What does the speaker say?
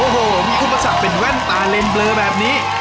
โอ้โหมีอุปสรรคเป็นแว่นตาเลนเบลอแบบนี้